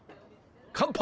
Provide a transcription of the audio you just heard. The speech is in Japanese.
乾杯！